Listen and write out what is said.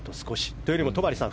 というよりも戸張さん